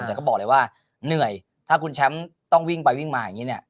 แต่ก็บอกเลยว่าเหนื่อยถ้าคุณแชมป์ต้องวิ่งไปวิ่งมาอย่างนี้เนี่ย